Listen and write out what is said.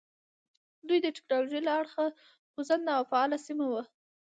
دوی د ټکنالوژۍ له اړخه خوځنده او فعاله سیمه وه.